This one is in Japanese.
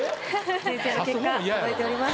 先生の結果届いております。